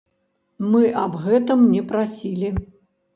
Мы аб гэтым не прасілі.